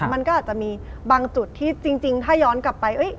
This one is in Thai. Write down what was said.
มันก็อาจจะมีบางจุดที่จริงถ้าย้อนกลับไป